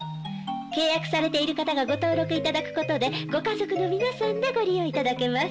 契約されている方がご登録いただくことでご家族の皆さんでご利用いただけます。